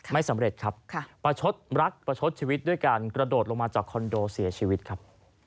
ไม่สำเร็จครับประชดรักประชดชีวิตด้วยการกระโดดลงมาจากคอนโดเสียชีวิตครับ